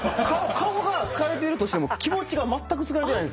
顔が疲れてるとしても気持ちがまったく疲れてないんですよ。